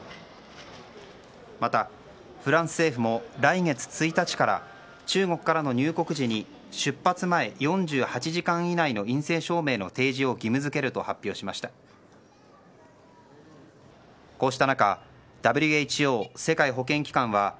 またフランス政府も来月１日から中国からの入国時に出発前４８時間以内の陰性証明の提示を義務付けると発表しました。